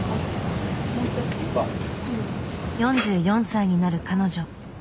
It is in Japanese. ４４歳になる彼女。